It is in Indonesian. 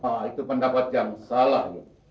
wah itu pendapat yang salah